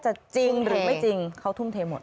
หรือไม่จริงเขาทุนเทหมด